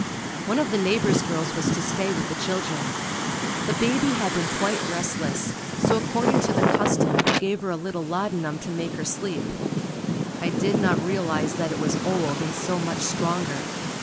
One of the neighbor's girls was to stay with the children. The baby had been quite restless, so according to the custom, I gave her a little laudanum to make her sleep. I did not realize that it was old and so much stronger.